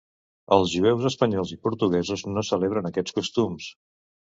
Els jueus espanyols i portuguesos no celebren aquests costums.